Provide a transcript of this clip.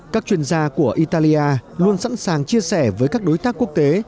các chuyên gia của italia luôn sẵn sàng chia sẻ với các đối tác quốc tế